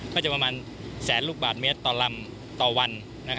ก็จะประมาณแสนลูกบาทเมตรต่อลำต่อวัน